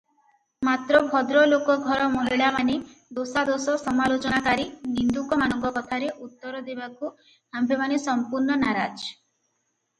ମାତ୍ର ଭଦ୍ରଲୋକ ଘର ମହିଳାମାନଙ୍କ ଦୋଷାଦୋଷ ସମାଲୋଚନାକାରୀ ନିନ୍ଦୁକମାନଙ୍କ କଥାରେ ଉତ୍ତର ଦେବାକୁ ଆମ୍ଭେମାନେ ସଂପୂର୍ଣ୍ଣ ନାରାଜ ।